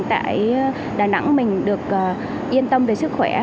tại đà nẵng mình được yên tâm về sức khỏe